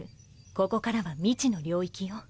ここからは未知の領域よ。